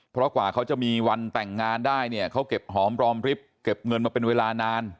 เพราะกว่าเขาจะมีวันแต่งงานได้เนี่ยเขาเก็บหอมรอมริบเก็บเงินมาเป็นเวลานาน